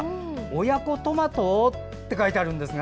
親子トマト？って書いてあるんですが。